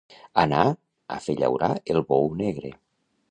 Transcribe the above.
Anar a fer llaurar el bou negre.